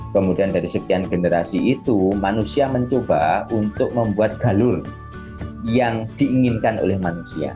kemudian dari sekian generasi itu manusia mencoba untuk membuat galur yang diinginkan oleh manusia